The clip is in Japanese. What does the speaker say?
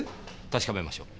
確かめましょう。